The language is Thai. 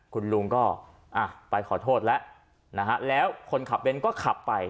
คุณลุงก็อ่ะไปขอโทษแล้วนะฮะแล้วคนขับเน้นก็ขับไป